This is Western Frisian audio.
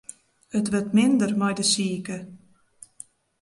It wurdt minder mei de sike.